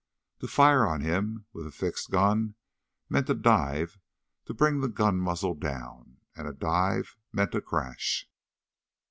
To fire on him with a fixed gun meant a dive to bring the gun muzzle down. And a dive meant a crash.